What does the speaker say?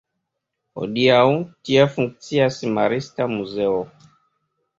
Hodiaŭ tie funkcias marista muzeo.